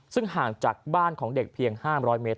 ซึ่งห่างจากบ้านของเด็กเพียง๕๐๐เมตร